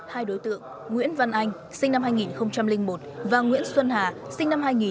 hai đối tượng nguyễn văn anh sinh năm hai nghìn một và nguyễn xuân hà sinh năm hai nghìn